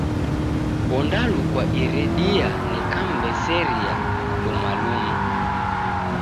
Ondalukwa iridia nikam'mbeseria luma luma.